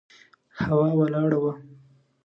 هوا ولاړه وه.